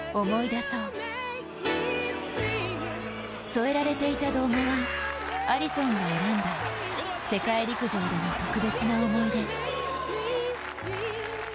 添えられていた動画はアリソンが選んだ世界陸上での特別な思い出。